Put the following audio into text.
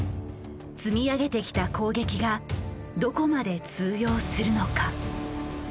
積み上げてきた攻撃がどこまで通用するのか。